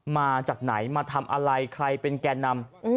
มาจากไหนมาทำอะไรใครเป็นแก่นำ